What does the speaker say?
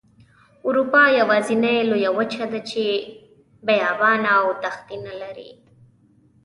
اروپا یوازینۍ لویه وچه ده چې بیابانه او دښتې نلري.